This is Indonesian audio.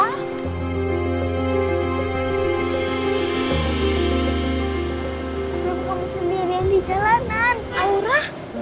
kamu mau kesini benih jalanan aura